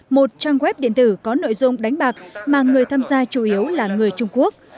một trang web điện tử có nội dung đánh bạc mà người tham gia chủ yếu là người trung quốc